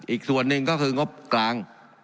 อีกส่วนหนึ่งก็คืองบกลาง